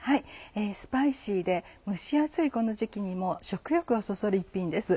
スパイシーで蒸し暑いこの時期にも食欲をそそる一品です。